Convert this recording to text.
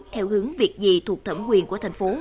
theo hướng việc gì thuộc thẩm quyền của thành phố